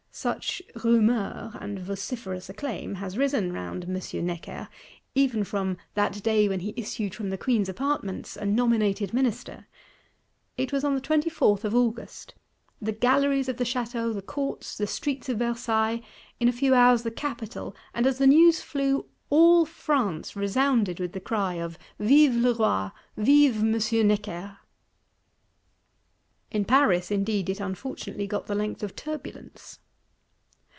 ' Such rumeur and vociferous acclaim has risen round M. Necker, ever from "that day when he issued from the Queen's Apartments," a nominated Minister. It was on the 24th of August: "the galleries of the Château, the courts, the streets of Versailles; in few hours, the Capital; and, as the news flew, all France, resounded with the cry of Vive le Roi! Vive M. Necker! In Paris indeed it unfortunately got the length of turbulence."